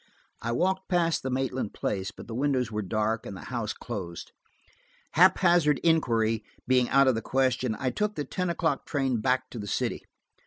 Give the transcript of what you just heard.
I walked past the Maitland place, but the windows were dark and the house closed. Haphazard inquiry being out of the question, I took the ten o'clock train back to the city.